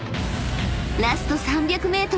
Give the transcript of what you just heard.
［ラスト３００ｍ］